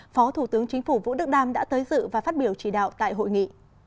phó thủ tướng chính phủ vũ đức đam đã tới dự và phát biểu chỉ đạo tại hội nghị